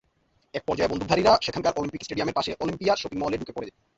একপর্যায়ে বন্দুকধারীরা সেখানকার অলিম্পিক স্টেডিয়ামের পাশে অলিম্পিয়া শপিং মলে ঢুকে পড়ে।